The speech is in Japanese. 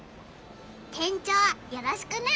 店長よろしくな！